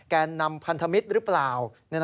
แกนนำพันธมิตรหรือเปล่า